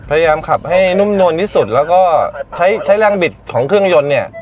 พยายามขับให้นุ่มนวลที่สุดแล้วก็ใช้ใช้แรงบิดของเครื่องยนต์เนี่ย